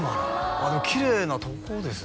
ああでもきれいなとこですね